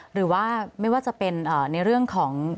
หรือว่าไม่ว่าจะเป็นในเรื่องของ